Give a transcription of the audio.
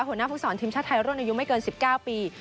หัวหน้าภูมิสอนทีมชาติไทยรุ่นอายุไม่เกิน๑๙ปี